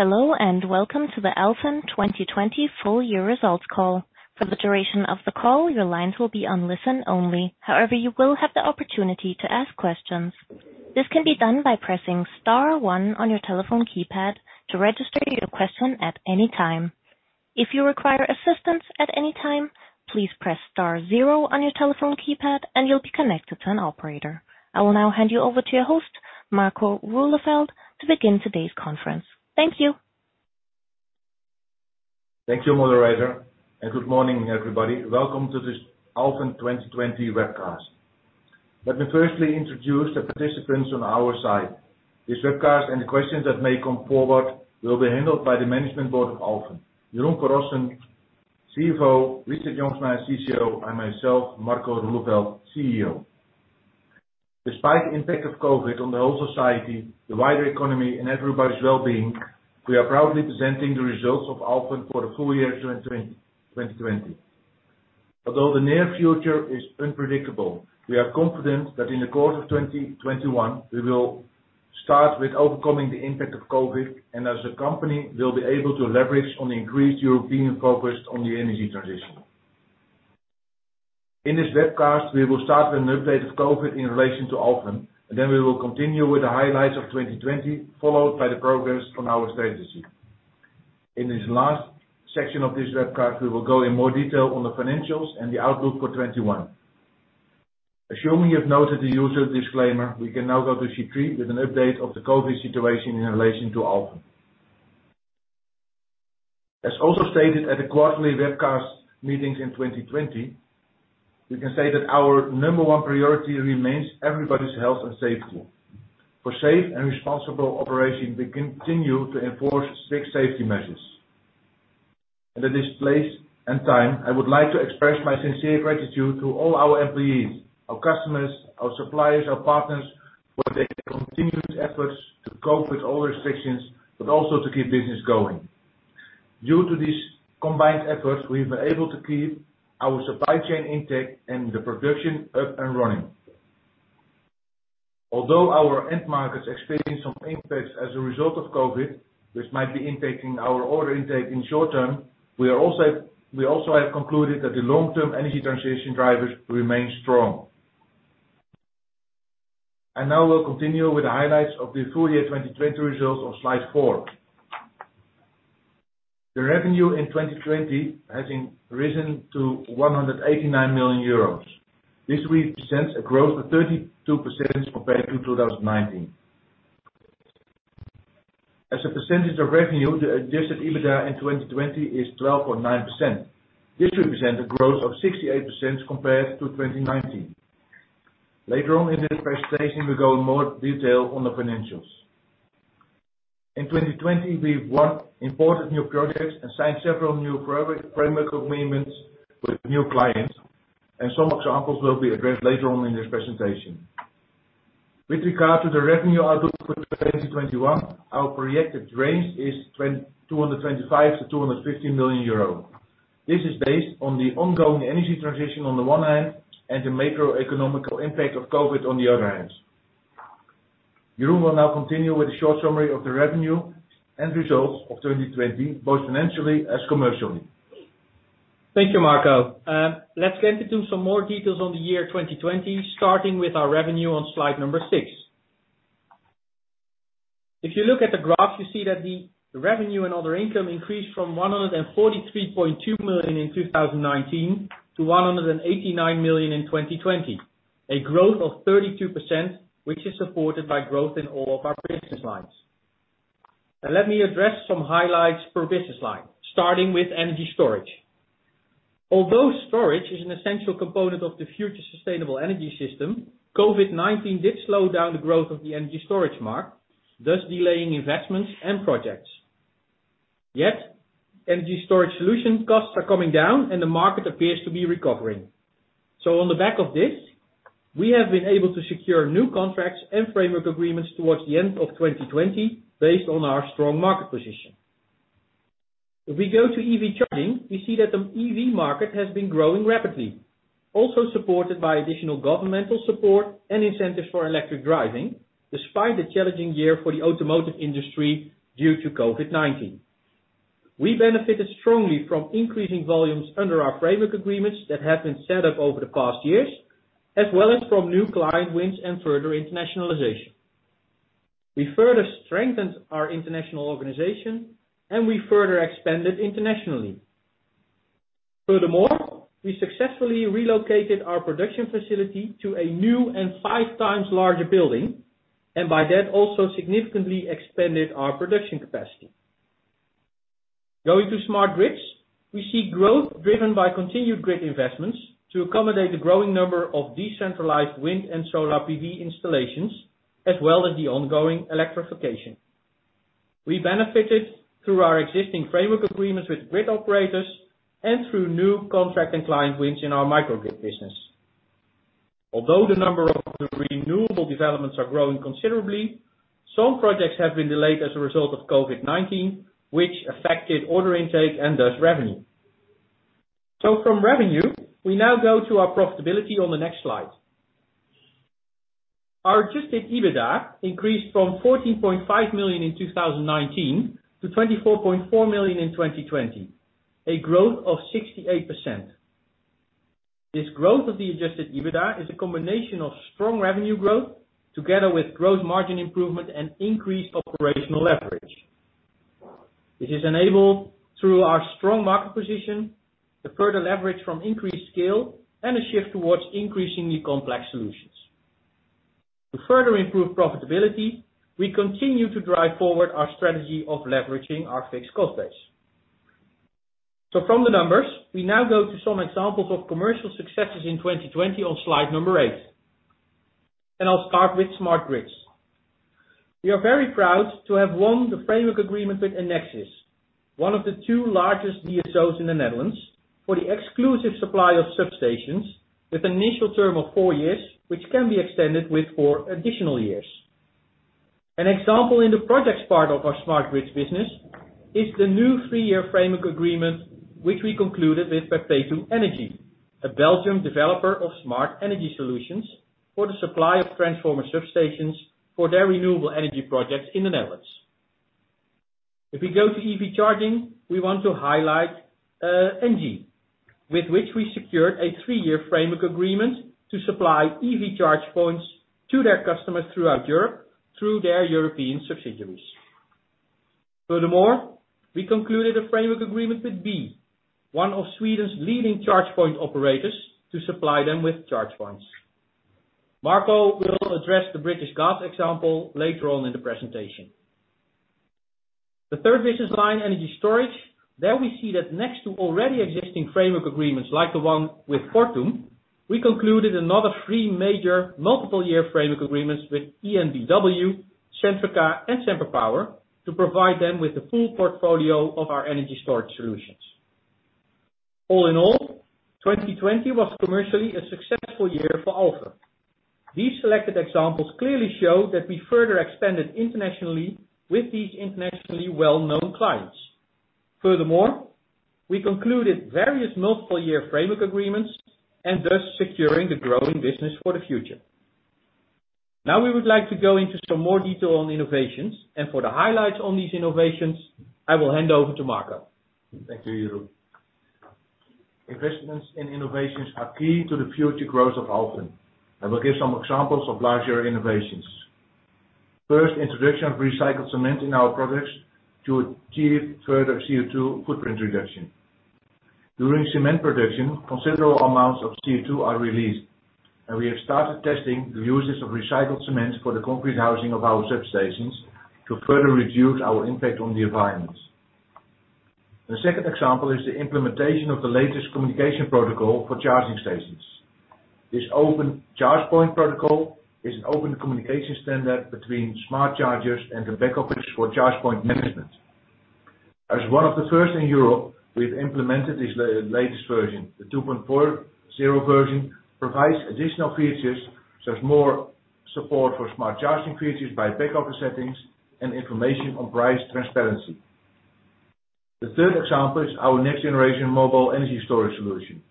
Hello and welcome to the Alfen 2020 full year results call. For the duration of the call, your lines will be on listen only. However, you will have the opportunity to ask questions. This can be done by pressing star one on your telephone keypad to register your question at any time. If you require assistance at any time, please press star zero on your telephone keypad and you'll be connected to an operator. I will now hand you over to your host, Marco Roeleveld, to begin today's conference. Thank you. Thank you, moderator, and good morning, everybody. Welcome to this Alfen 2020 webcast. Let me firstly introduce the participants on our side. These webcasts and the questions that may come forward will be handled by the management board of Alfen. Jeroen van Rossen, CFO, Richard Jongsma, CCO, and myself, Marco Roeleveld, CEO. Despite the impact of COVID on the whole society, the wider economy, and everybody's well-being, we are proudly presenting the results of Alfen for the full year 2020. Although the near future is unpredictable, we are confident that in the course of 2021, we will start with overcoming the impact of COVID, and as a company, we'll be able to leverage on the increased European focus on the energy transition. In this webcast, we will start with an update of COVID in relation to Alfen, and then we will continue with the highlights of 2020, followed by the progress on our strategy. In this last section of this webcast, we will go in more detail on the financials and the outlook for 2021. Assuming you've noted the user disclaimer, we can now go to sheet three with an update of the COVID situation in relation to Alfen. As also stated at the quarterly webcast meetings in 2020, we can say that our number one priority remains everybody's health and safety. For safe and responsible operation, we continue to enforce strict safety measures. In this place and time, I would like to express my sincere gratitude to all our employees, our customers, our suppliers, our partners for their continued efforts to cope with all restrictions, but also to keep business going. Due to these combined efforts, we've been able to keep our supply chain intake and the production up and running. Although our end markets experience some impacts as a result of COVID, which might be impacting our order intake in the short term, we also have concluded that the long-term energy transition drivers remain strong. We will continue with the highlights of the full year 2020 results on slide four. The revenue in 2020 has risen to 189 million euros. This represents a growth of 32% compared to 2019. As a percentage of revenue, the adjusted EBITDA in 2020 is 12.9%. This represents a growth of 68% compared to 2019. Later on in this presentation, we'll go in more detail on the financials. In 2020, we've won important new projects and signed several new framework agreements with new clients, and some examples will be addressed later on in this presentation. With regard to the revenue outlook for 2021, our projected range is 225 million-250 million euro. This is based on the ongoing energy transition on the one hand and the macroeconomical impact of COVID on the other hand. Jeroen will now continue with a short summary of the revenue and results of 2020, both financially as commercially. Thank you, Marco. Let's get into some more details on the year 2020, starting with our revenue on slide number six. If you look at the graph, you see that the revenue and other income increased from 143.2 million in 2019 to 189 million in 2020, a growth of 32%, which is supported by growth in all of our business lines. Let me address some highlights per business line, starting with energy storage. Although storage is an essential component of the future sustainable energy system, COVID-19 did slow down the growth of the energy storage market, thus delaying investments and projects. Yet, energy storage solution costs are coming down, and the market appears to be recovering. On the back of this, we have been able to secure new contracts and framework agreements towards the end of 2020 based on our strong market position. If we go to EV charging, we see that the EV market has been growing rapidly, also supported by additional governmental support and incentives for electric driving, despite the challenging year for the automotive industry due to COVID-19. We benefited strongly from increasing volumes under our framework agreements that have been set up over the past years, as well as from new client wins and further internationalization. We further strengthened our international organization, and we further expanded internationally. Furthermore, we successfully relocated our production facility to a new and five times larger building, and by that, also significantly expanded our production capacity. Going to smart grids, we see growth driven by continued grid investments to accommodate the growing number of decentralized wind and solar PV installations, as well as the ongoing electrification. We benefited through our existing framework agreements with grid operators and through new contract and client wins in our microgrid business. Although the number of renewable developments is growing considerably, some projects have been delayed as a result of COVID-19, which affected order intake and thus revenue. From revenue, we now go to our profitability on the next slide. Our adjusted EBITDA increased from 14.5 million in 2019 to 24.4 million in 2020, a growth of 68%. This growth of the adjusted EBITDA is a combination of strong revenue growth together with gross margin improvement and increased operational leverage. This is enabled through our strong market position, the further leverage from increased scale, and a shift towards increasingly complex solutions. To further improve profitability, we continue to drive forward our strategy of leveraging our fixed cost base. From the numbers, we now go to some examples of commercial successes in 2020 on slide number eight. I'll start with smart grids. We are very proud to have won the framework agreement with Enexis, one of the two largest DSOs in the Netherlands, for the exclusive supply of substations with an initial term of four years, which can be extended with four additional years. An example in the projects part of our smart grids business is the new three-year framework agreement, which we concluded with PerPetum Energy, a Belgian developer of smart energy solutions for the supply of transformer substations for their renewable energy projects in the Netherlands. If we go to EV charging, we want to highlight ENGIE, with which we secured a three-year framework agreement to supply EV charge points to their customers throughout Europe through their European subsidiaries. Furthermore, we concluded a framework agreement with Bee, one of Sweden's leading charge point operators, to supply them with charge points. Marco will address the British Gas example later on in the presentation. The third business line, energy storage, there we see that next to already existing framework agreements like the one with Fortum, we concluded another three major multiple-year framework agreements with EnBW, Centrica, and SemperPower to provide them with the full portfolio of our energy storage solutions. All in all, 2020 was commercially a successful year for Alfen. These selected examples clearly show that we further expanded internationally with these internationally well-known clients. Furthermore, we concluded various multiple-year framework agreements and thus secured the growing business for the future. Now we would like to go into some more detail on innovations, and for the highlights on these innovations, I will hand over to Marco. Thank you, Jeroen. Investments in innovations are key to the future growth of Alfen. I will give some examples of larger innovations. First, introduction of recycled cement in our products to achieve further CO2 footprint reduction. During cement production, considerable amounts of CO2 are released, and we have started testing the uses of recycled cement for the concrete housing of our substations to further reduce our impact on the environment. The second example is the implementation of the latest communication protocol for charging stations. This open charge point protocol is an open communication standard between smart chargers and the back office for charge point management. As one of the first in Europe, we've implemented this latest version. The 2.4.0 version provides additional features, such as more support for smart charging features by back office settings and information on price transparency. The third example is our next generation mobile energy storage solution.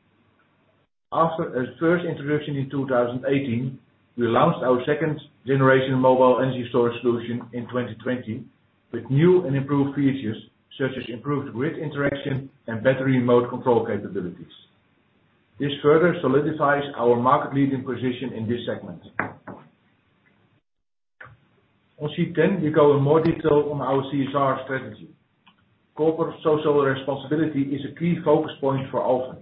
After our first introduction in 2018, we launched our second generation mobile energy storage solution in 2020 with new and improved features such as improved grid interaction and battery mode control capabilities. This further solidifies our market-leading position in this segment. On sheet ten, we go in more detail on our CSR strategy. Corporate social responsibility is a key focus point for Alfen.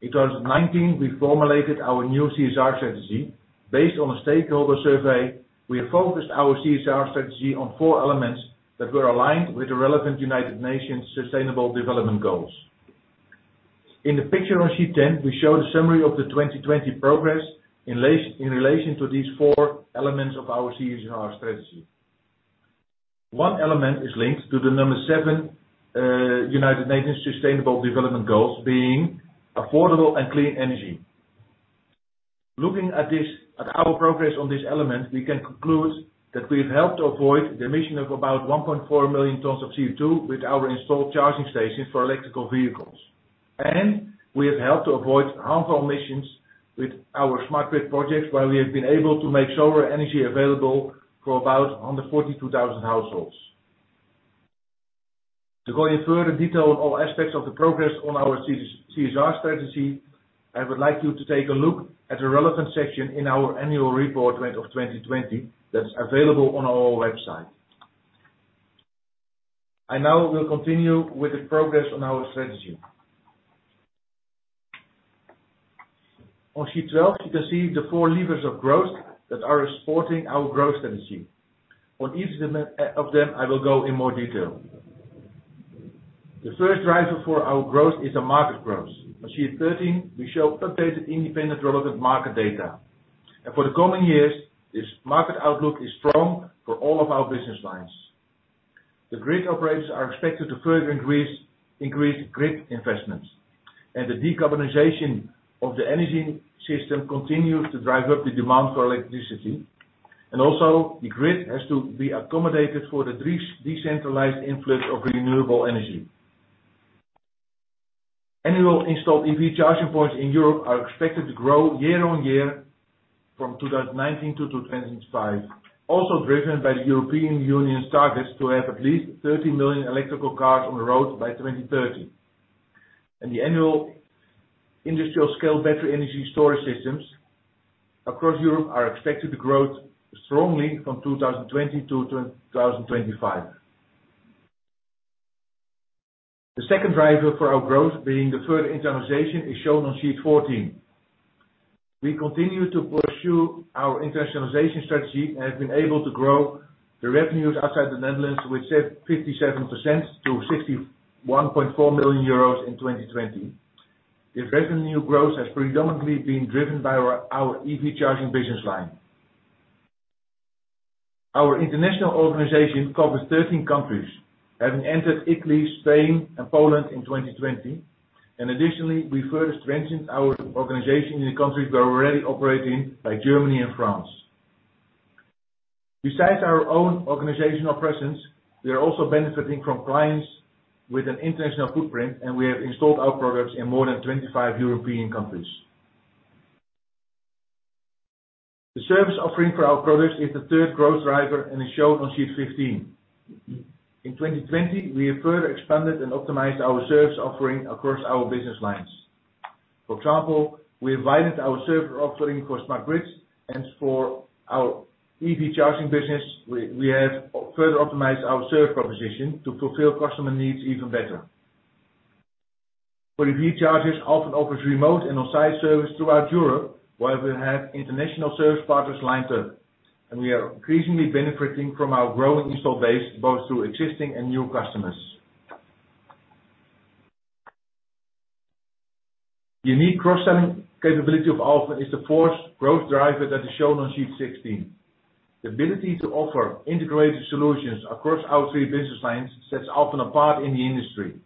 In 2019, we formulated our new CSR strategy based on a stakeholder survey. We focused our CSR strategy on four elements that were aligned with the relevant United Nations Sustainable Development Goals. In the picture on sheet ten, we show the summary of the 2020 progress in relation to these four elements of our CSR strategy. One element is linked to the number seven United Nations Sustainable Development Goals, being affordable and clean energy. Looking at our progress on this element, we can conclude that we have helped to avoid the emission of about 1.4 million tons of CO2 with our installed charging stations for electrical vehicles, and we have helped to avoid harmful emissions with our smart grid projects, where we have been able to make solar energy available for about 142,000 households. To go in further detail on all aspects of the progress on our CSR strategy, I would like you to take a look at the relevant section in our annual report of 2020 that is available on our website. I now will continue with the progress on our strategy. On sheet 12, you can see the four levers of growth that are supporting our growth strategy. On each of them, I will go in more detail. The first driver for our growth is our market growth. On sheet 13, we show updated independent relevant market data. For the coming years, this market outlook is strong for all of our business lines. The grid operators are expected to further increase grid investments, and the decarbonization of the energy system continues to drive up the demand for electricity. Also, the grid has to be accommodated for the decentralized influx of renewable energy. Annual installed EV charging points in Europe are expected to grow year on year from 2019 to 2025, also driven by the European Union's targets to have at least 30 million electrical cars on the roads by 2030. The annual industrial-scale battery energy storage systems across Europe are expected to grow strongly from 2020 to 2025. The second driver for our growth, being the further internationalization, is shown on sheet 14. We continue to pursue our internationalization strategy and have been able to grow the revenues outside the Netherlands with 57% to 61.4 million euros in 2020. This revenue growth has predominantly been driven by our EV charging business line. Our international organization covers 13 countries, having entered Italy, Spain, and Poland in 2020. Additionally, we further strengthened our organization in the countries we are already operating in, by Germany and France. Besides our own organizational presence, we are also benefiting from clients with an international footprint, and we have installed our products in more than 25 European countries. The service offering for our products is the third growth driver and is shown on sheet 15. In 2020, we have further expanded and optimized our service offering across our business lines. For example, we have widened our service offering for smart grids, and for our EV charging business, we have further optimized our service proposition to fulfill customer needs even better. For EV chargers, Alfen offers remote and on-site service throughout Europe, while we have international service partners lined up. We are increasingly benefiting from our growing installed base, both through existing and new customers. The unique cross-selling capability of Alfen is the fourth growth driver that is shown on sheet 16. The ability to offer integrated solutions across our three business lines sets Alfen apart in the industry.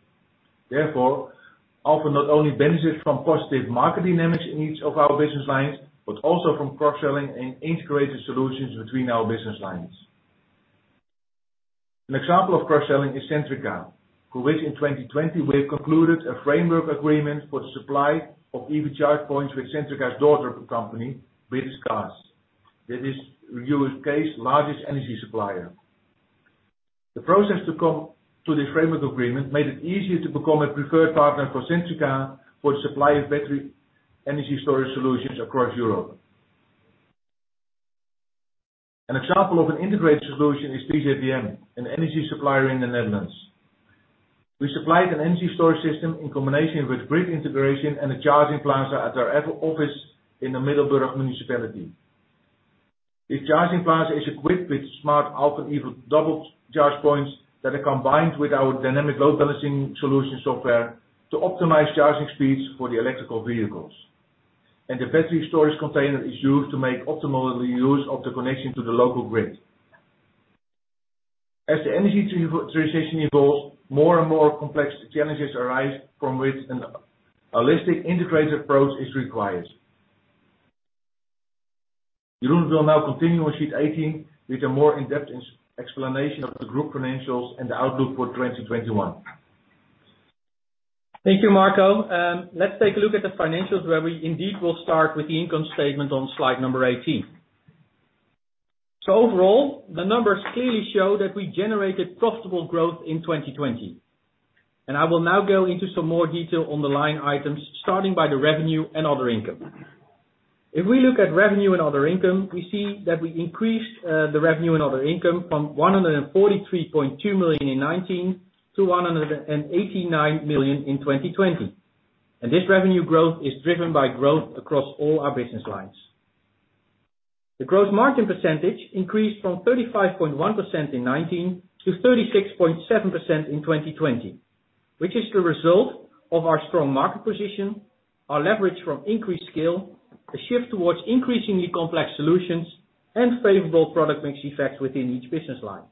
Therefore, Alfen not only benefits from positive market dynamics in each of our business lines, but also from cross-selling and integrated solutions between our business lines. An example of cross-selling is Centrica, for which in 2020, we have concluded a framework agreement for the supply of EV charge points with Centrica's daughter company, British Gas, that is the U.K.'s largest energy supplier. The process to come to this framework agreement made it easier to become a preferred partner for Centrica for the supply of battery energy storage solutions across Europe. An example of an integrated solution is [Tree Energy Solutions], an energy supplier in the Netherlands. We supplied an energy storage system in combination with grid integration and a charging plaza at our office in the Middelburg municipality. The charging plaza is equipped with smart Alfen EV double charge points that are combined with our dynamic load balancing solution software to optimize charging speeds for the electric vehicles. The battery storage container is used to make optimal use of the connection to the local grid. As the energy transition evolves, more and more complex challenges arise from which a holistic integrated approach is required. Jeroen will now continue on sheet 18 with a more in-depth explanation of the group financials and the outlook for 2021. Thank you, Marco. Let's take a look at the financials, where we indeed will start with the income statement on slide number 18. Overall, the numbers clearly show that we generated profitable growth in 2020. I will now go into some more detail on the line items, starting by the revenue and other income. If we look at revenue and other income, we see that we increased the revenue and other income from 143.2 million in 2019 to 189 million in 2020. This revenue growth is driven by growth across all our business lines. The gross margin percentage increased from 35.1% in 2019 to 36.7% in 2020, which is the result of our strong market position, our leverage from increased scale, a shift towards increasingly complex solutions, and favorable product mix effects within each business line.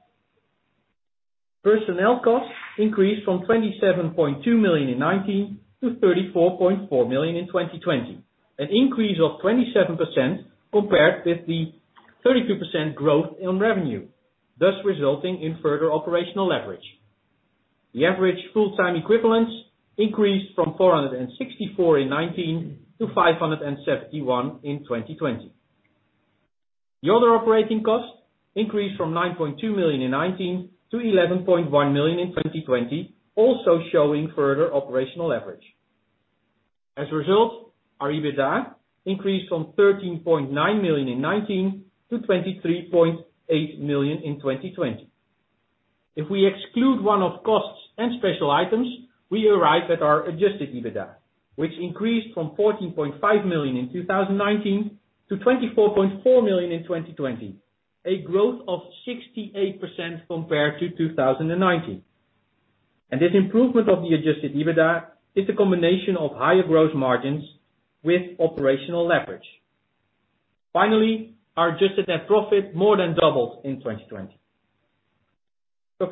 Personnel costs increased from 27.2 million in 2019 to 34.4 million in 2020, an increase of 27% compared with the 32% growth in revenue, thus resulting in further operational leverage. The average full-time equivalents increased from 464 in 2019 to 571 in 2020. The other operating costs increased from 9.2 million in 2019 to 11.1 million in 2020, also showing further operational leverage. As a result, our EBITDA increased from 13.9 million in 2019 to 23.8 million in 2020. If we exclude one-off costs and special items, we arrive at our adjusted EBITDA, which increased from 14.5 million in 2019 to 24.4 million in 2020, a growth of 68% compared to 2019. This improvement of the adjusted EBITDA is the combination of higher gross margins with operational leverage. Finally, our adjusted net profit more than doubled in 2020.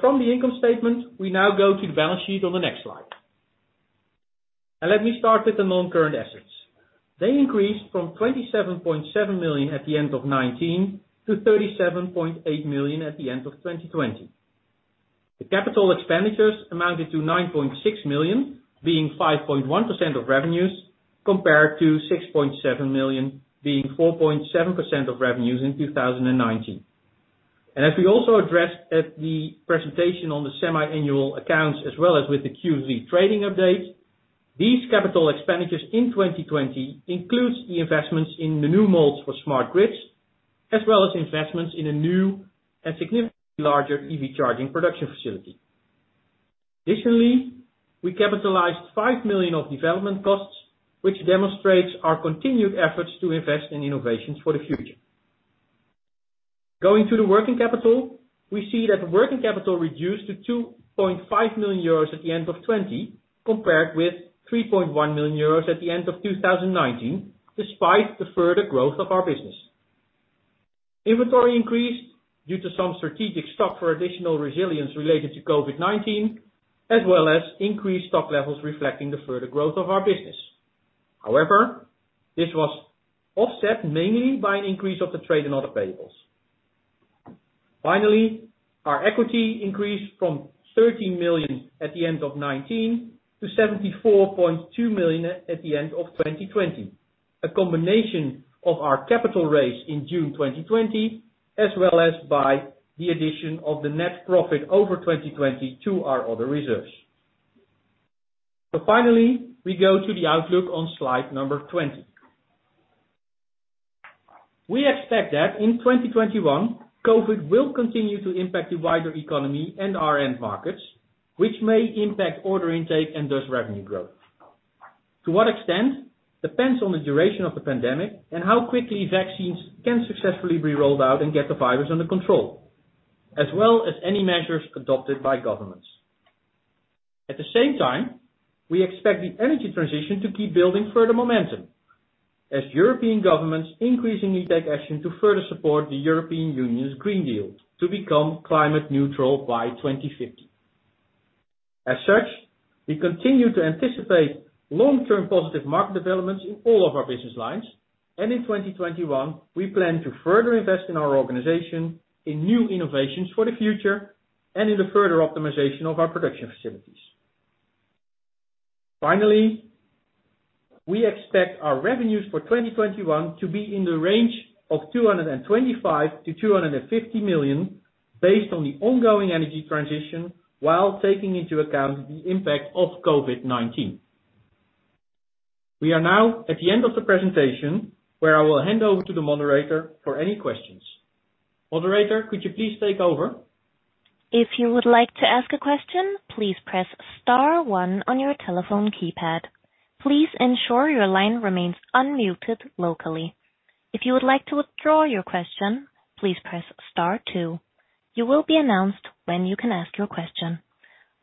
From the income statement, we now go to the balance sheet on the next slide. Let me start with the non-current assets. They increased from 27.7 million at the end of 2019 to 37.8 million at the end of 2020. The capital expenditures amounted to 9.6 million, being 5.1% of revenues, compared to 6.7 million, being 4.7% of revenues in 2019. As we also addressed at the presentation on the semi-annual accounts, as well as with the Q3 trading update, these capital expenditures in 2020 include the investments in the new molds for smart grids, as well as investments in a new and significantly larger EV charging production facility. Additionally, we capitalized 5 million of development costs, which demonstrates our continued efforts to invest in innovations for the future. Going to the working capital, we see that the working capital reduced to 2.5 million euros at the end of 2020, compared with 3.1 million euros at the end of 2019, despite the further growth of our business. Inventory increased due to some strategic stock for additional resilience related to COVID-19, as well as increased stock levels reflecting the further growth of our business. However, this was offset mainly by an increase of the trade and other payables. Finally, our equity increased from 13 million at the end of 2019 to 74.2 million at the end of 2020, a combination of our capital raise in June 2020, as well as by the addition of the net profit over 2020 to our other reserves. Finally, we go to the outlook on slide number 20. We expect that in 2021, COVID will continue to impact the wider economy and our end markets, which may impact order intake and thus revenue growth. To what extent depends on the duration of the pandemic and how quickly vaccines can successfully be rolled out and get the virus under control, as well as any measures adopted by governments. At the same time, we expect the energy transition to keep building further momentum, as European governments increasingly take action to further support the European Union's Green Deal to become climate neutral by 2050. As such, we continue to anticipate long-term positive market developments in all of our business lines. In 2021, we plan to further invest in our organization, in new innovations for the future, and in the further optimization of our production facilities. Finally, we expect our revenues for 2021 to be in the range of 225 million-250 million, based on the ongoing energy transition while taking into account the impact of COVID-19. We are now at the end of the presentation, where I will hand over to the moderator for any questions. Moderator, could you please take over? If you would like to ask a question, please press Star 1 on your telephone keypad. Please ensure your line remains unmuted locally. If you would like to withdraw your question, please press Star 2. You will be announced when you can ask your question.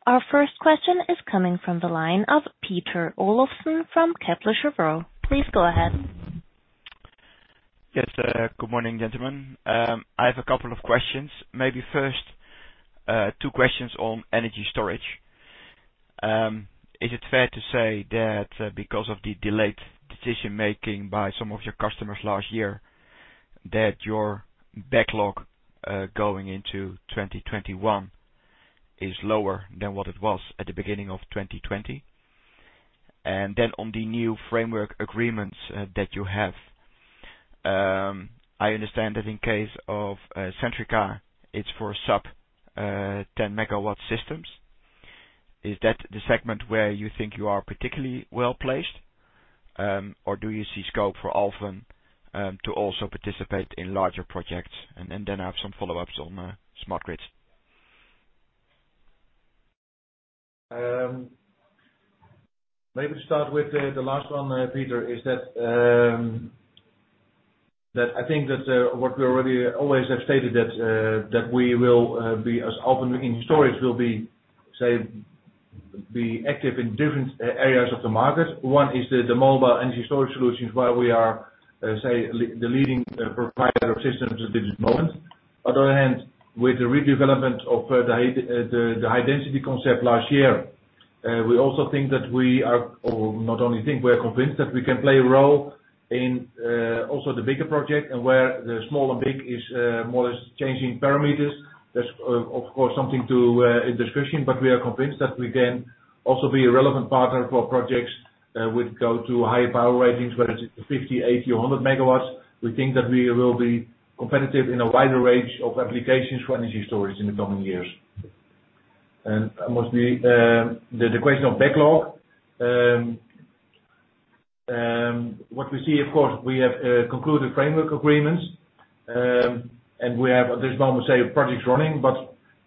Our first question is coming from the line of Peter Olofsen from Kepler Cheuvreux. Please go ahead. Yes, good morning, gentlemen. I have a couple of questions. Maybe first, two questions on energy storage. Is it fair to say that because of the delayed decision-making by some of your customers last year, that your backlog going into 2021 is lower than what it was at the beginning of 2020? On the new framework agreements that you have, I understand that in case of Centrica, it's for sub-10 megawatt systems. Is that the segment where you think you are particularly well placed? Or do you see scope for Alfen to also participate in larger projects and then have some follow-ups on smart grids? Maybe to start with the last one, Peter, is that I think that what we already always have stated, that we will be as Alfen in storage will be, say, be active in different areas of the market. One is the mobile energy storage solutions, where we are, say, the leading provider of systems at this moment. On the other hand, with the redevelopment of the high-density concept last year, we also think that we are or not only think, we are convinced that we can play a role in also the bigger project. Where the small and big is more or less changing parameters, that is, of course, something to discussion. We are convinced that we can also be a relevant partner for projects with go to higher power ratings, whether it is 50, 80, or 100 megawatts. We think that we will be competitive in a wider range of applications for energy storage in the coming years. The question of backlog, what we see, of course, we have concluded framework agreements. We have at this moment, say, projects running.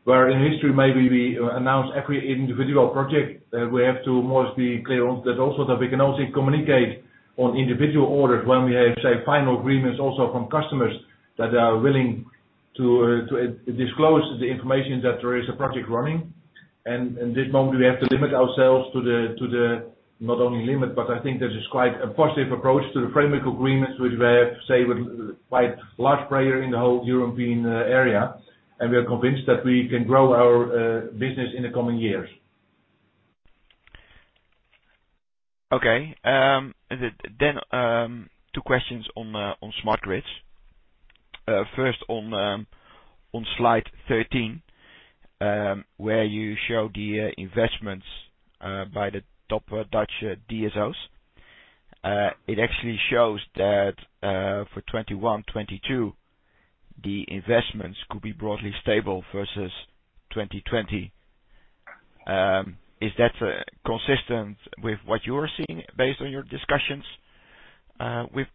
Where in history, maybe we announce every individual project, we have to be mostly clear on that also that we can also communicate on individual orders when we have, say, final agreements also from customers that are willing to disclose the information that there is a project running. At this moment, we have to limit ourselves to the not only limit, but I think that is quite a positive approach to the framework agreements, which we have, say, with quite large player in the whole European area. We are convinced that we can grow our business in the coming years. Okay. Two questions on smart grids. First, on slide 13, where you show the investments by the top Dutch DSOs. It actually shows that for 2021, 2022, the investments could be broadly stable versus 2020. Is that consistent with what you are seeing based on your discussions with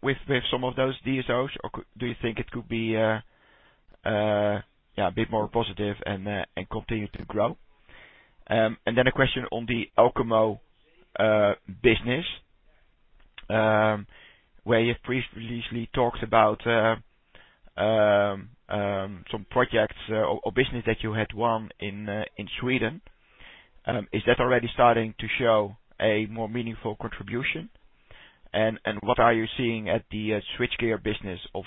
some of those DSOs? Or do you think it could be, yeah, a bit more positive and continue to grow? A question on the Elkamo business, where you've previously talked about some projects or business that you had won in Sweden. Is that already starting to show a more meaningful contribution? What are you seeing at the switchgear business of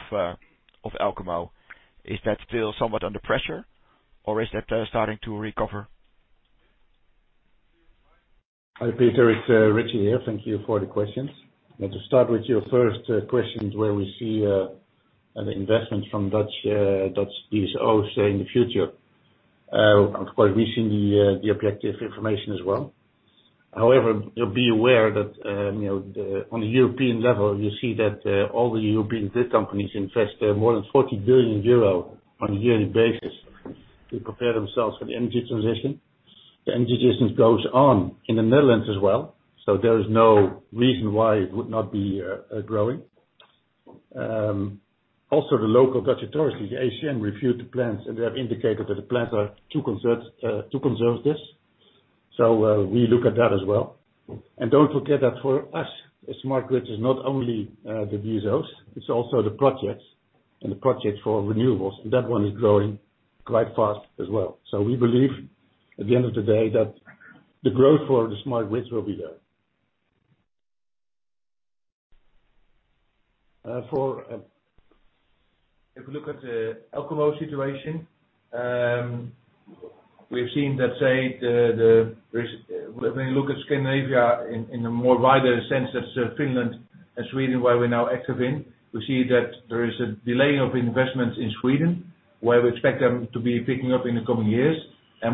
Elkamo? Is that still somewhat under pressure? Or is that starting to recover? Hi, Peter. It's Richie here. Thank you for the questions. To start with your first question, where we see the investment from Dutch DSOs in the future. Of course, we've seen the objective information as well. However, be aware that on the European level, you see that all the European grid companies invest more than 40 billion euro on a yearly basis to prepare themselves for the energy transition. The energy transition goes on in the Netherlands as well. There is no reason why it would not be growing. Also, the local Dutch authorities, the ACM, reviewed the plans and have indicated that the plans are too conservative. We look at that as well. Don't forget that for us, smart grids is not only the DSOs, it's also the projects and the projects for renewables. That one is growing quite fast as well. We believe, at the end of the day, that the growth for the smart grids will be there. If we look at the Elkamo situation, we have seen that, say, when you look at Scandinavia in a more wider sense, that's Finland and Sweden, where we're now active in, we see that there is a delay of investments in Sweden, where we expect them to be picking up in the coming years.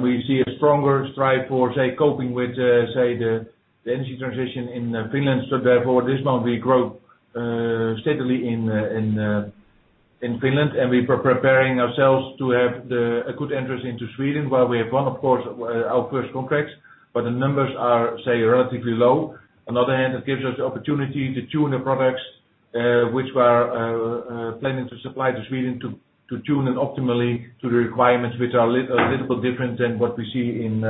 We see a stronger strive for, say, coping with, say, the energy transition in Finland. Therefore, at this moment, we grow steadily in Finland. We are preparing ourselves to have a good entrance into Sweden, where we have won, of course, our first contracts. The numbers are, say, relatively low. On the other hand, it gives us the opportunity to tune the products which we are planning to supply to Sweden to tune them optimally to the requirements, which are a little bit different than what we see in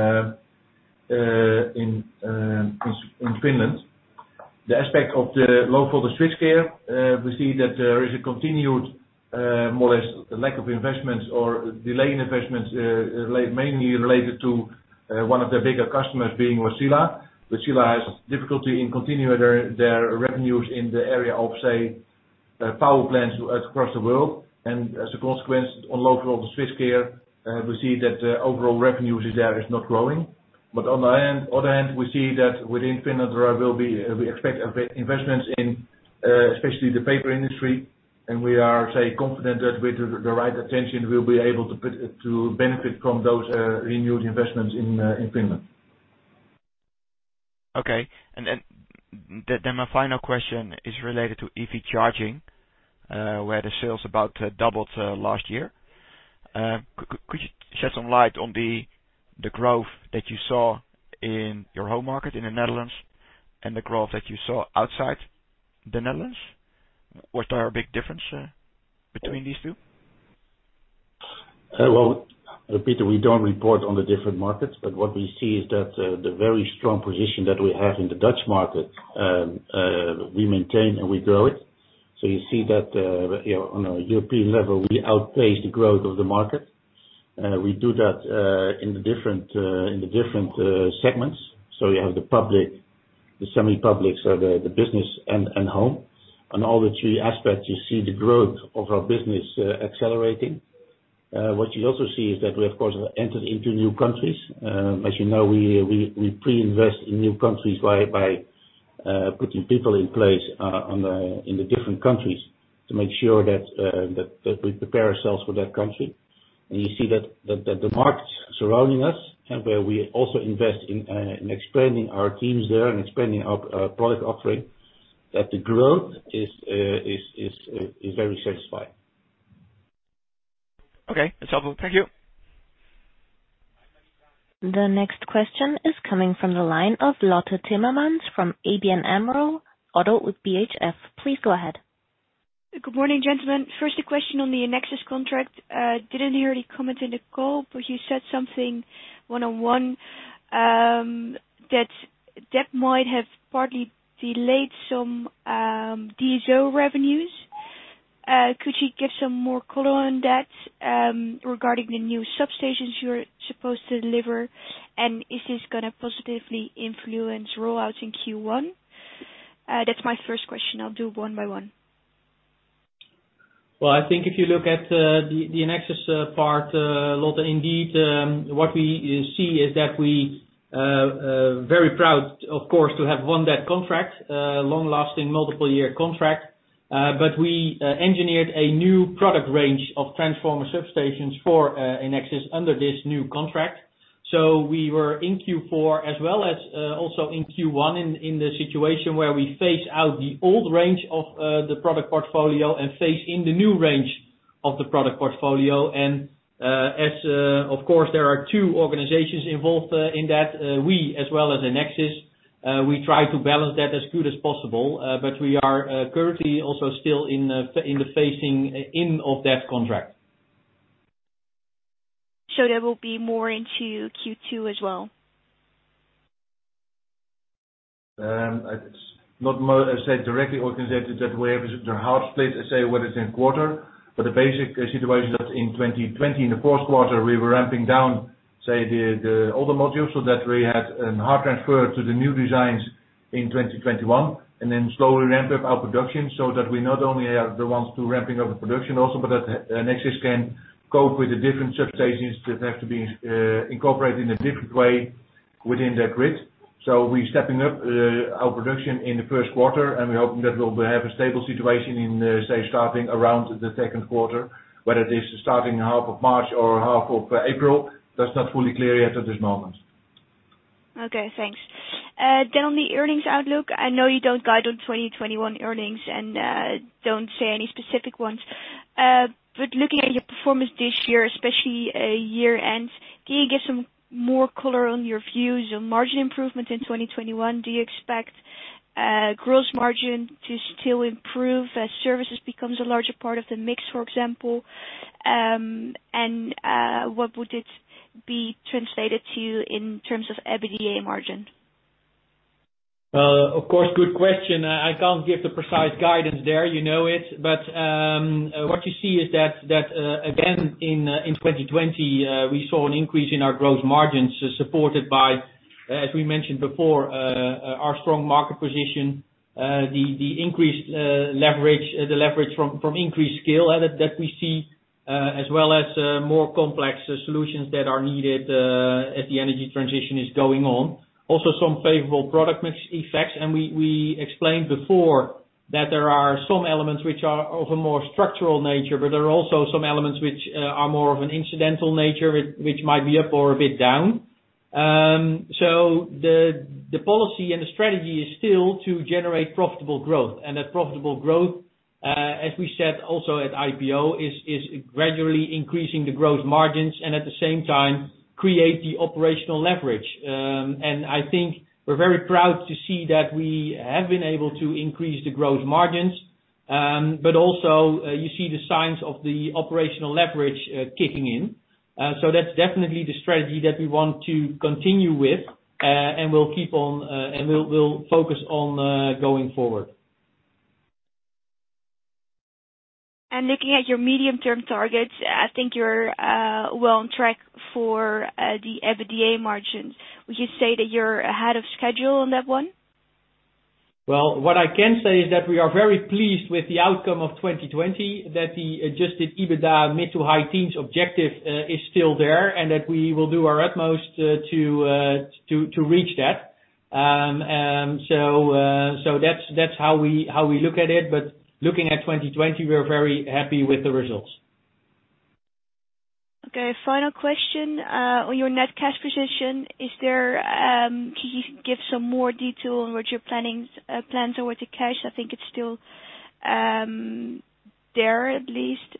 Finland. The aspect of the low for the switchgear, we see that there is a continued more or less lack of investments or delay in investments, mainly related to one of their bigger customers being Vattenfall, which has difficulty in continuing their revenues in the area of, say, power plants across the world. As a consequence, on low for the switchgear, we see that the overall revenues there is not growing. On the other hand, we see that within Finland, there will be we expect investments in especially the paper industry. We are, say, confident that with the right attention, we'll be able to benefit from those renewed investments in Finland. Okay. My final question is related to EV charging, where the sales about doubled last year. Could you shed some light on the growth that you saw in your home market in the Netherlands and the growth that you saw outside the Netherlands? Was there a big difference between these two? Peter, we do not report on the different markets. What we see is that the very strong position that we have in the Dutch market, we maintain and we grow it. You see that on a European level, we outpace the growth of the market. We do that in the different segments. You have the public, the semi-publics, the business, and home. On all the three aspects, you see the growth of our business accelerating. What you also see is that we, of course, have entered into new countries. As you know, we pre-invest in new countries by putting people in place in the different countries to make sure that we prepare ourselves for that country. You see that the markets surrounding us, where we also invest in expanding our teams there and expanding our product offering, that the growth is very satisfying. Okay. That's helpful. Thank you. The next question is coming from the line of Lotte Timmermans from ABN AMRO ODDO BHF. Please go ahead. Good morning, gentlemen. First, a question on the Nexus contract. I did not hear any comment in the call, but you said something one-on-one that that might have partly delayed some DSO revenues. Could you give some more color on that regarding the new substations you are supposed to deliver? Is this going to positively influence rollouts in Q1? That is my first question. I will do one by one. I think if you look at the Nexus part, Lotte, indeed, what we see is that we are very proud, of course, to have won that contract, long-lasting, multiple-year contract. We engineered a new product range of transformer substations for Nexus under this new contract. We were in Q4 as well as also in Q1 in the situation where we phase out the old range of the product portfolio and phase in the new range of the product portfolio. As, of course, there are two organizations involved in that, we, as well as Nexus, we try to balance that as good as possible. We are currently also still in the phasing in of that contract. There will be more into Q2 as well? It's not, as I said, directly organized that way. The hard split is, say, what is in quarter. The basic situation is that in 2020, in the fourth quarter, we were ramping down, say, the older modules so that we had a hard transfer to the new designs in 2021. Then slowly ramp up our production so that we not only are the ones ramping up the production also, but that Nexus can cope with the different substations that have to be incorporated in a different way within their grid. We are stepping up our production in the first quarter. We are hoping that we'll have a stable situation in, say, starting around the second quarter, whether it is starting half of March or half of April. That's not fully clear yet at this moment. Okay. Thanks. On the earnings outlook, I know you do not guide on 2021 earnings and do not say any specific ones. Looking at your performance this year, especially year-end, can you give some more color on your views on margin improvement in 2021? Do you expect gross margin to still improve as services becomes a larger part of the mix, for example? What would it be translated to in terms of EBITDA margin? Of course, good question. I can't give the precise guidance there. You know it. What you see is that, again, in 2020, we saw an increase in our gross margins supported by, as we mentioned before, our strong market position, the increased leverage, the leverage from increased scale added that we see, as well as more complex solutions that are needed as the energy transition is going on. Also, some favorable product mix effects. We explained before that there are some elements which are of a more structural nature. There are also some elements which are more of an incidental nature, which might be up or a bit down. The policy and the strategy is still to generate profitable growth. That profitable growth, as we said also at IPO, is gradually increasing the gross margins and at the same time create the operational leverage. I think we're very proud to see that we have been able to increase the gross margins. You see the signs of the operational leverage kicking in. That's definitely the strategy that we want to continue with. We'll keep on and we'll focus on going forward. Looking at your medium-term targets, I think you're well on track for the EBITDA margins. Would you say that you're ahead of schedule on that one? What I can say is that we are very pleased with the outcome of 2020, that the adjusted EBITDA mid to high teens objective is still there and that we will do our utmost to reach that. That's how we look at it. Looking at 2020, we're very happy with the results. Okay. Final question. On your net cash position, can you give some more detail on what your plans are with the cash? I think it's still there at least. Is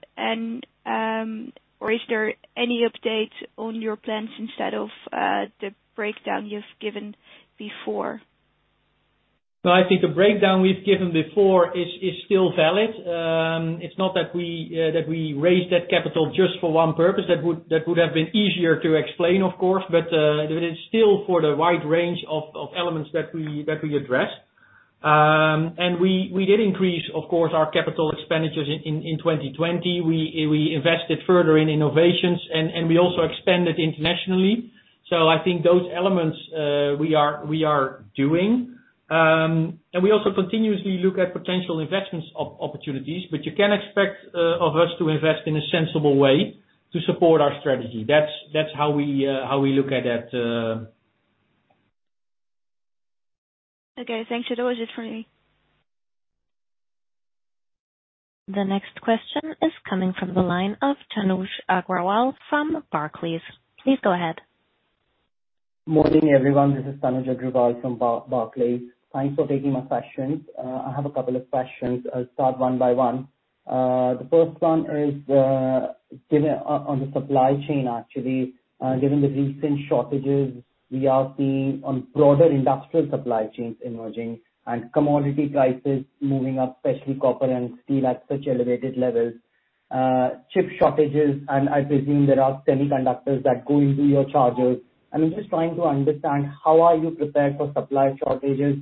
there any update on your plans instead of the breakdown you've given before? I think the breakdown we've given before is still valid. It's not that we raised that capital just for one purpose. That would have been easier to explain, of course. It is still for the wide range of elements that we address. We did increase, of course, our capital expenditures in 2020. We invested further in innovations. We also expanded internationally. I think those elements we are doing. We also continuously look at potential investment opportunities. You can expect of us to invest in a sensible way to support our strategy. That's how we look at that. Okay. Thanks. That was it for me. The next question is coming from the line of Tanuj Agrawal from Barclays. Please go ahead. Good morning, everyone. This is Tanuj Agrawal from Barclays. Thanks for taking my questions. I have a couple of questions. I'll start one by one. The first one is on the supply chain, actually. Given the recent shortages we are seeing on broader industrial supply chains emerging and commodity prices moving up, especially copper and steel at such elevated levels, chip shortages, and I presume there are semiconductors that go into your chargers. I'm just trying to understand how are you prepared for supply shortages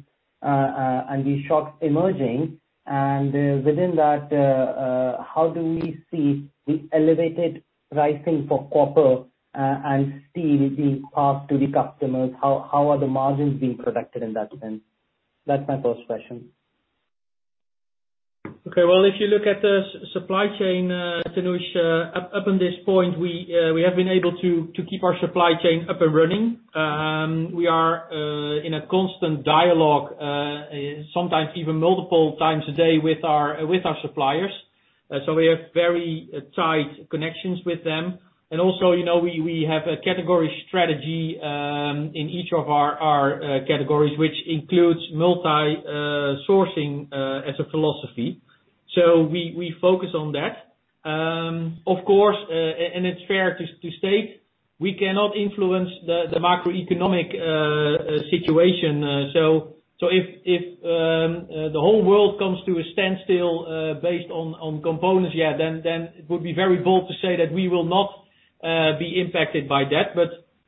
and these shocks emerging. Within that, how do we see the elevated pricing for copper and steel being passed to the customers? How are the margins being protected in that sense? That's my first question. Okay. If you look at the supply chain, Tanuj, up to this point, we have been able to keep our supply chain up and running. We are in a constant dialogue, sometimes even multiple times a day, with our suppliers. We have very tight connections with them. We have a category strategy in each of our categories, which includes multi-sourcing as a philosophy. We focus on that. Of course, and it's fair to state, we cannot influence the macroeconomic situation. If the whole world comes to a standstill based on components, yeah, then it would be very bold to say that we will not be impacted by that.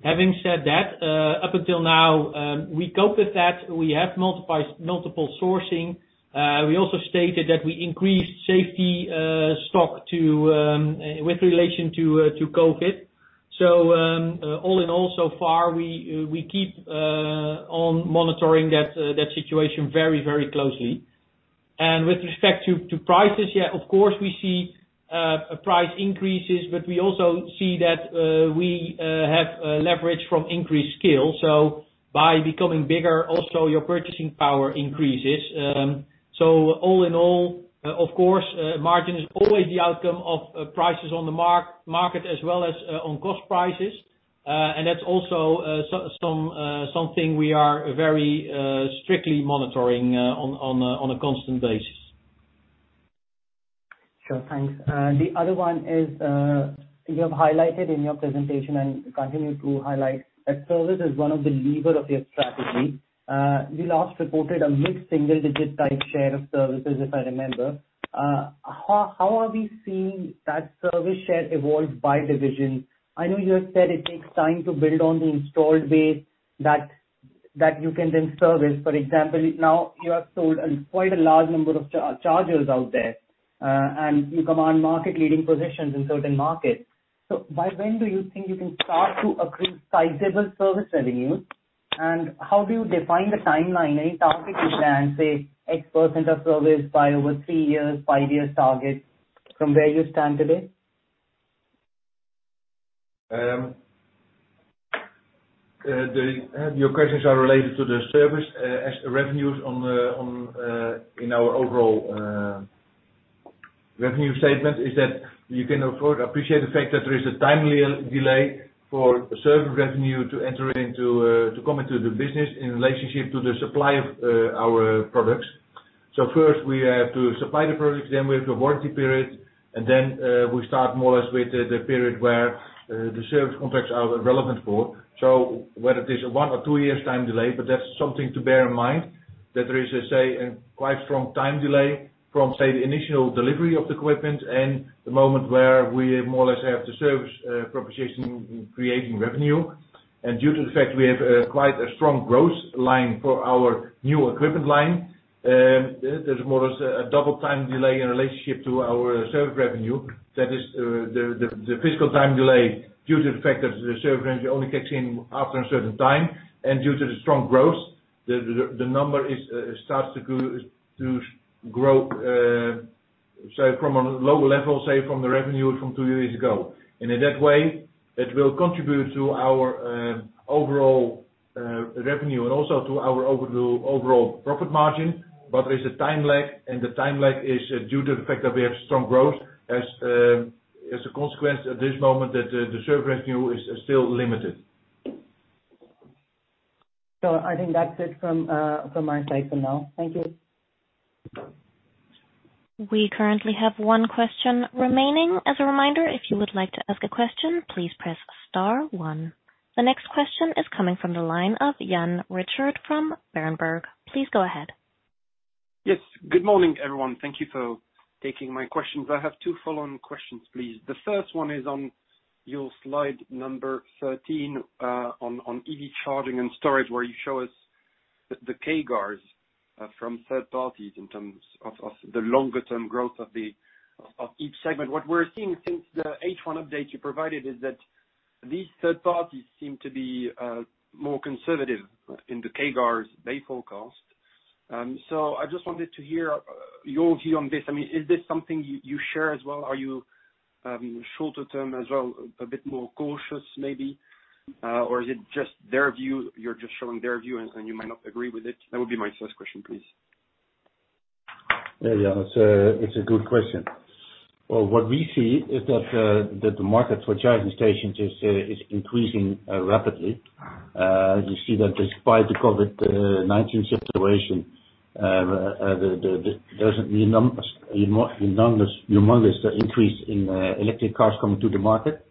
Having said that, up until now, we cope with that. We have multiple sourcing. We also stated that we increased safety stock with relation to COVID. All in all, so far, we keep on monitoring that situation very, very closely. With respect to prices, yeah, of course, we see price increases. We also see that we have leverage from increased scale. By becoming bigger, also, your purchasing power increases. All in all, of course, margin is always the outcome of prices on the market as well as on cost prices. That is also something we are very strictly monitoring on a constant basis. Sure. Thanks. The other one is you have highlighted in your presentation and continue to highlight that service is one of the levers of your strategy. You last reported a mid-single-digit type share of services, if I remember. How are we seeing that service share evolve by division? I know you have said it takes time to build on the installed base that you can then service. For example, now you have sold quite a large number of chargers out there. You command market-leading positions in certain markets. By when do you think you can start to accrue sizable service revenues? How do you define the timeline? Any target you plan, say, X% of service by over three years, five years target from where you stand today? Your questions are related to the service revenues in our overall revenue statement. You can appreciate the fact that there is a timely delay for service revenue to enter into, to come into the business in relationship to the supply of our products. First, we have to supply the products. Then we have the warranty period. After that, we start more or less with the period where the service contracts are relevant for. Whether it is a one or two-year time delay, that is something to bear in mind, that there is, say, a quite strong time delay from, say, the initial delivery of the equipment and the moment where we more or less have the service proposition creating revenue. Due to the fact we have quite a strong growth line for our new equipment line, there is more or less a double time delay in relationship to our service revenue. That is the fiscal time delay due to the fact that the service revenue only kicks in after a certain time. Due to the strong growth, the number starts to grow, say, from a lower level, say, from the revenue from two years ago. In that way, it will contribute to our overall revenue and also to our overall profit margin. There is a time lag. The time lag is due to the fact that we have strong growth as a consequence at this moment that the service revenue is still limited. I think that's it from my side for now. Thank you. We currently have one question remaining. As a reminder, if you would like to ask a question, please press star one. The next question is coming from the line of Jan Richard from Berenberg. Please go ahead. Yes. Good morning, everyone. Thank you for taking my questions. I have two follow-on questions, please. The first one is on your slide number 13 on EV charging and storage, where you show us the key guards from third parties in terms of the longer-term growth of each segment. What we're seeing since the H1 update you provided is that these third parties seem to be more conservative in the key guards they forecast. I just wanted to hear your view on this. I mean, is this something you share as well? Are you shorter-term as well, a bit more cautious maybe? Or is it just their view? You're just showing their view and you might not agree with it. That would be my first question, please. Yeah. Yeah. It's a good question. What we see is that the market for charging stations is increasing rapidly. You see that despite the COVID-19 situation, there's an enormous increase in electric cars coming to the market.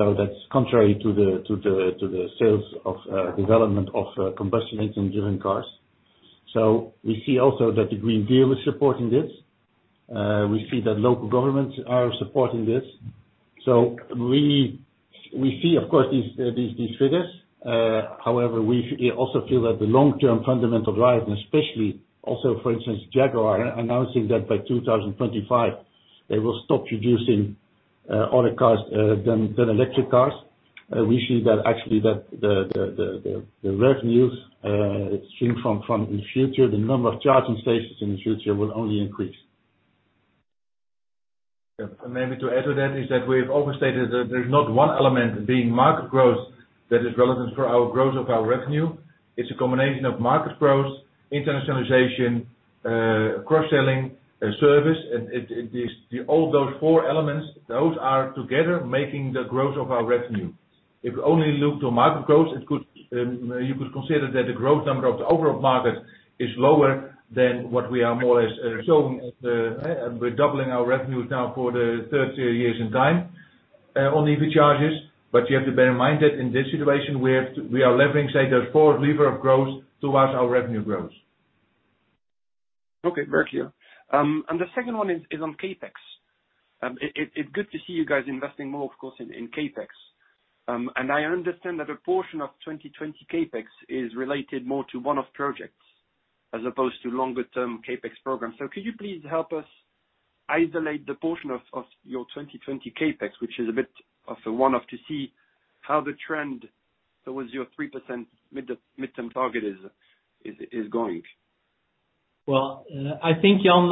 That's contrary to the sales development of combustion engine-driven cars. We see also that the Green Deal is supporting this. We see that local governments are supporting this. We see, of course, these figures. However, we also feel that the long-term fundamental drive, and especially also, for instance, Jaguar announcing that by 2025, they will stop producing all the cars than electric cars. We see that actually that the revenues seen from the future, the number of charging stations in the future will only increase. Maybe to add to that is that we have overstated that there's not one element being market growth that is relevant for our growth of our revenue. It's a combination of market growth, internationalization, cross-selling, service. All those four elements, those are together making the growth of our revenue. If we only look to market growth, you could consider that the growth number of the overall market is lower than what we are more or less showing. We're doubling our revenues now for the third year in time on EV charges. You have to bear in mind that in this situation, we are levering, say, those four levers of growth towards our revenue growth. Okay. Very clear. The second one is on CAPEX. It's good to see you guys investing more, of course, in CAPEX. I understand that a portion of 2020 CAPEX is related more to one-off projects as opposed to longer-term CAPEX programs. Could you please help us isolate the portion of your 2020 CAPEX, which is a bit of a one-off, to see how the trend towards your 3% mid-term target is going? I think, Jan,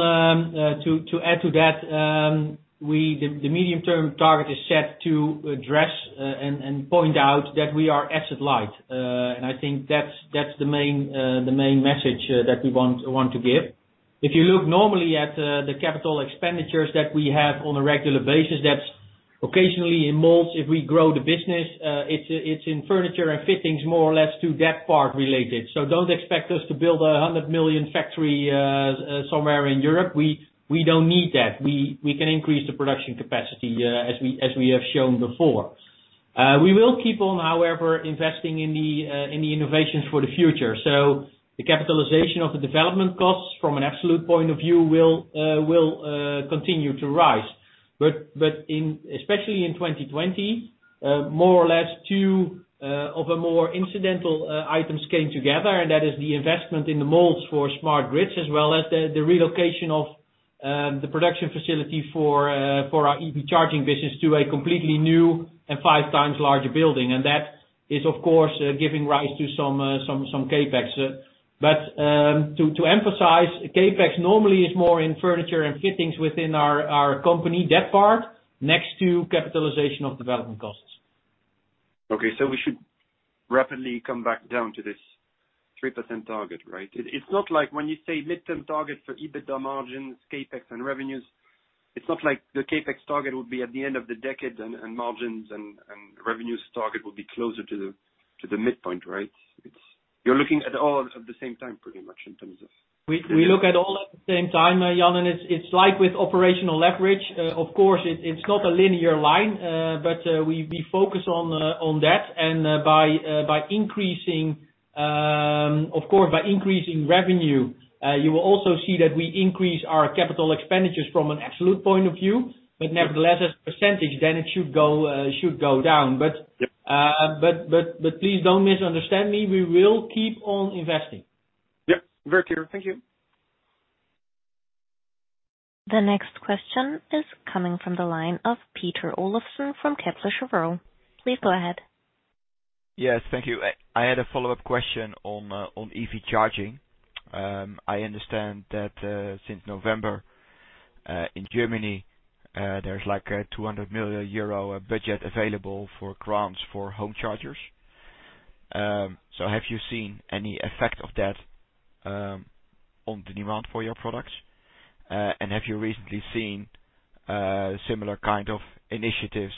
to add to that, the medium-term target is set to address and point out that we are asset light. I think that's the main message that we want to give. If you look normally at the capital expenditures that we have on a regular basis, that's occasionally in molds. If we grow the business, it's in furniture and fittings, more or less to that part related. Do not expect us to build a 100 million factory somewhere in Europe. We do not need that. We can increase the production capacity as we have shown before. We will keep on, however, investing in the innovations for the future. The capitalization of the development costs from an absolute point of view will continue to rise. Especially in 2020, more or less two of a more incidental items came together. That is the investment in the molds for smart grids as well as the relocation of the production facility for our EV charging business to a completely new and five times larger building. That is, of course, giving rise to some CAPEX. To emphasize, CAPEX normally is more in furniture and fittings within our company, that part, next to capitalization of development costs. Okay. We should rapidly come back down to this 3% target, right? It's not like when you say mid-term target for EBITDA margins, CAPEX, and revenues, it's not like the CAPEX target would be at the end of the decade and margins and revenues target would be closer to the midpoint, right? You're looking at all at the same time, pretty much, in terms of. We look at all at the same time, Jan. It is like with operational leverage. Of course, it is not a linear line. We focus on that. By increasing, of course, by increasing revenue, you will also see that we increase our capital expenditures from an absolute point of view. Nevertheless, as a percentage, it should go down. Please do not misunderstand me. We will keep on investing. Yep. Very clear. Thank you. The next question is coming from the line of Peter Olafsen from Kepler Cheuvreux. Please go ahead. Yes. Thank you. I had a follow-up question on EV charging. I understand that since November in Germany, there is like a 200 million euro budget available for grants for home chargers. Have you seen any effect of that on the demand for your products? Have you recently seen similar kind of initiatives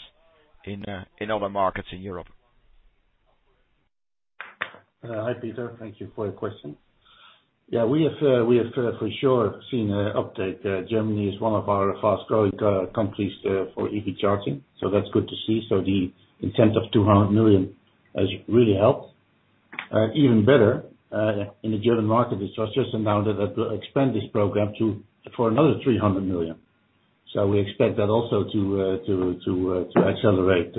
in other markets in Europe? Hi, Peter. Thank you for your question. Yeah. We have for sure seen an uptake. Germany is one of our fast-growing countries for EV charging. That's good to see. The incentive of 200 million has really helped. Even better, in the German market, it was just announced that they'll expand this program for another 300 million. We expect that also to accelerate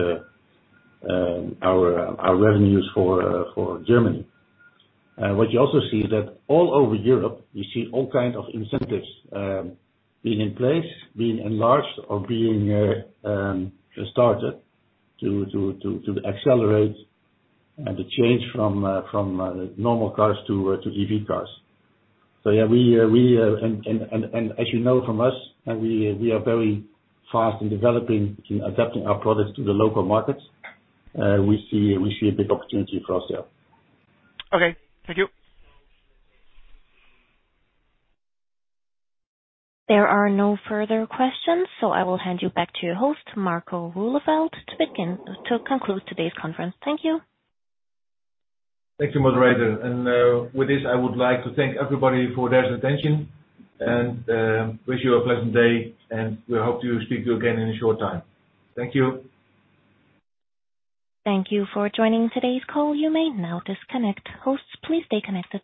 our revenues for Germany. What you also see is that all over Europe, you see all kinds of incentives being in place, being enlarged, or being started to accelerate the change from normal cars to EV cars. Yeah, and as you know from us, we are very fast in developing and adapting our products to the local markets. We see a big opportunity for us there. Okay. Thank you. There are no further questions. I will hand you back to your host, Marco Roeleveld, to conclude today's conference. Thank you. Thank you, moderator. With this, I would like to thank everybody for their attention and wish you a pleasant day. We hope to speak to you again in a short time. Thank you. Thank you for joining today's call. You may now disconnect. Hosts, please stay connected.